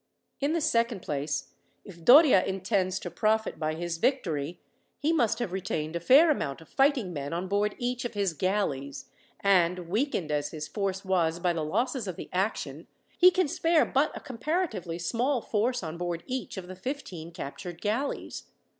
In the second place, if Doria intends to profit by his victory, he must have retained a fair amount of fighting men on board each of his galleys, and, weakened as his force was by the losses of the action, he can spare but a comparatively small force on board each of the fifteen captured galleys.